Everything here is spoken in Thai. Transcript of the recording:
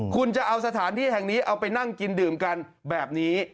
คุณจะเอาสถานที่แห่งนี้เอาไปนั่งกินดื่มกันแบบนี้